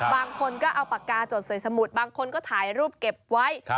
บางคนก็เอาปากกาจดใส่สมุดบางคนก็ถ่ายรูปเก็บไว้